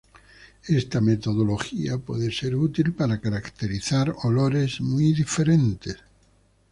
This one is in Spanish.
Esta metodología puede ser útil para caracterizar olores muy diferentes.